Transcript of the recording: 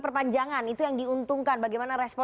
perpanjangan itu yang diuntungkan bagaimana respon